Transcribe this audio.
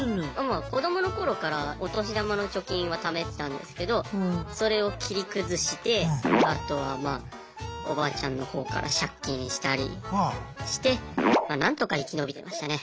子供の頃からお年玉の貯金はためてたんですけどそれを切り崩してあとはまあおばあちゃんの方から借金したりしてなんとか生き延びてましたね。